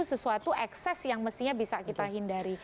sesuatu ekses yang mestinya bisa kita hindari